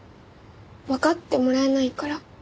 わかってもらえないから。